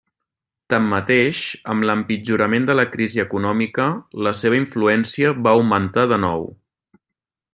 Tanmateix, amb l'empitjorament de la crisi econòmica, la seva influència va augmentar de nou.